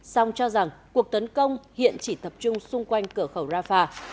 song cho rằng cuộc tấn công hiện chỉ tập trung xung quanh cửa khẩu rafah